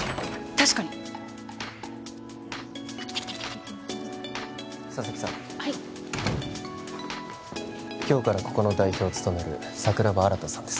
確かに・あっ来た来た佐々木さんはい今日からここの代表を務める桜庭新さんです